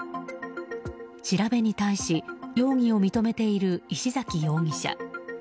調べに対し、容疑を認めている石崎容疑者。